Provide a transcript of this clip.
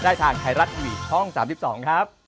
ได้ทางไทรัติวีช่อง๓๒ครับ